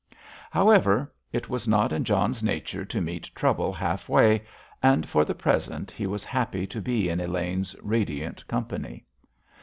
However, it was not in John's nature to meet trouble half way, and for the present he was happy to be in Elaine's radiant company.